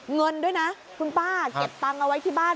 เงินด้วยนะคุณป้าเก็บตังค์เอาไว้ที่บ้าน